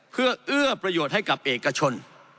เพื่อเอื้อประโยชน์ให้กับเอกชน